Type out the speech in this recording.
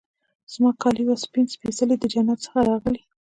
زما کالي وه سپین سپيڅلي د جنت څخه راغلي